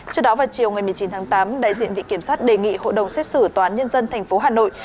trước đó vào chiều một mươi chín tháng tám đại diện vị kiểm sát đề nghị hội đồng xét xử toán nhân dân tp hà nội